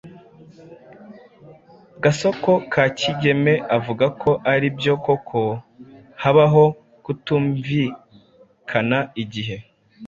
gasoko ka Kigeme avuga ko ari byo koko habaho kutumvikana igihe